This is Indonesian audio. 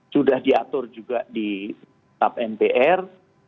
sudah diatur juga di tap mpr